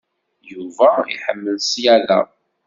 Yuba iḥemmel ṣyada.